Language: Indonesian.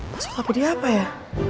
masuk kapal dia apa ya